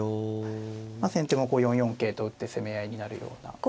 まあ先手もこう４四桂と打って攻め合いになるような。